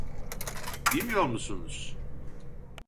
Bilmiyor musunuz?